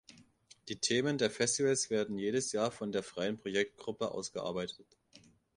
Die Themen der Festivals werden jedes Jahr von der Freien Projektgruppe ausgearbeitet.